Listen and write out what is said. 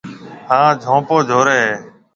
ھان جھونپو جھورَي ھيََََ